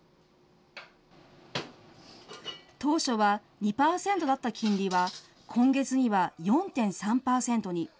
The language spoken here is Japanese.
当初は２％だった金利は、今月には４．３％に。